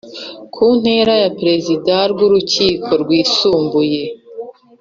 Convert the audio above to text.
ku ntera ya Perezida w Urukiko Rwisumbuye